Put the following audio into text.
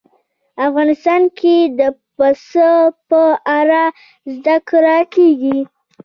افغانستان کې د پسه په اړه زده کړه کېږي.